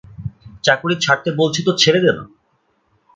চাকুরি ছাড়তে বলছে তো ছেড়ে দে না!